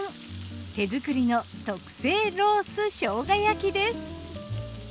手作りの特製ロース生姜焼きです。